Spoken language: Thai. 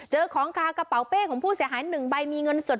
ของกลางกระเป๋าเป้ของผู้เสียหาย๑ใบมีเงินสด